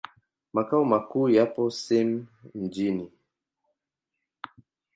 Makao makuu yapo Same Mjini.